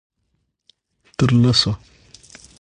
_تر لسو.